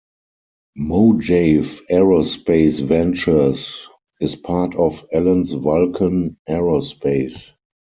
Mojave Aerospace Ventures is part of Allen's Vulcan Aerospace.